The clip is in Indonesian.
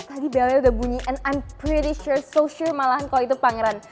tadi belnya udah bunyi and i'm pretty sure so sure malahan kalau itu pangeran